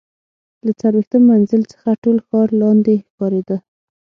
له څلوېښتم منزل څخه ټول ښار لاندې ښکارېده.